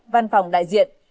văn phòng đại diện